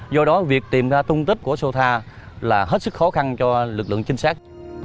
do đó việc tìm ra tung tích của sô tha là hết sức khó khăn cho lực lượng chính xác